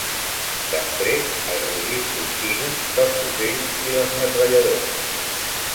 Després el rugit continu dels fusells i les metralladores